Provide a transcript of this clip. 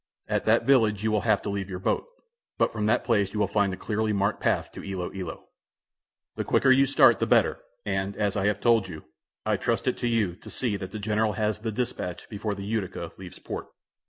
At that village you will have to leave your boat, but from that place you will find a clearly marked path to Ilo Ilo. "The quicker you start, the better; and, as I have told you, I trust it to you to see that the general has the dispatch before the Utica leaves port."